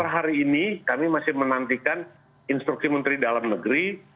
hari ini kami masih menantikan instruksi menteri dalam negeri